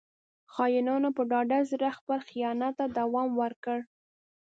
• خاینانو په ډاډه زړه خپل خیانت ته دوام ورکړ.